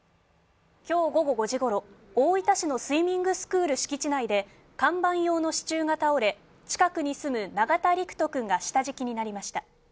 今日午後５時ごろ、大分市のスイミングスクール敷地内で看板用の支柱が倒れ、近くに住む永田陸人君が下敷きになりました。